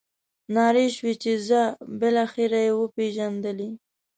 نارې شوې چې ځه بالاخره یې وپېژندلې.